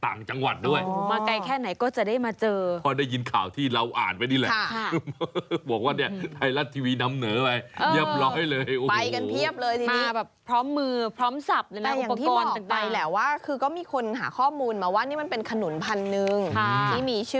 ต้องใช้วิทยาลัยในการรับชม